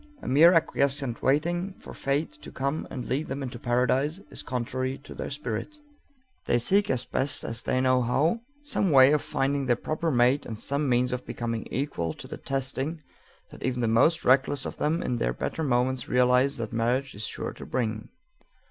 A mere acquiescent waiting for Fate to come and lead them into paradise is contrary to their spirit. They seek as best they know how some way of finding their proper mate and some means of becoming equal to the testing that even the most reckless of them in their better moments realize that marriage is sure to bring.